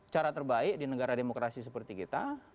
cara terbaik di negara demokrasi seperti kita